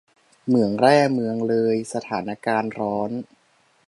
เหมืองแร่เมืองเลย สถานการณ์ร้อน !